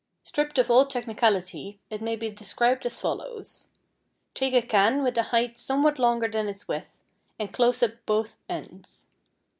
Stripped of all technicality, it may be described as follows: Take a can with a height somewhat longer than its width, and close up both ends.